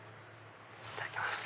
いただきます！